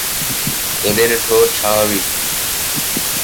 এদের ঠোঁট স্বাভাবিক।